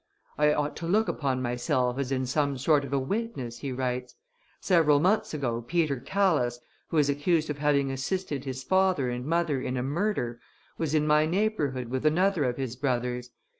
"I ought to look upon myself as in some sort a witness," he writes: "several months ago Peter Calas, who is accused of having assisted his father and mother in a murder, was in my neighborhood with another of his brothers.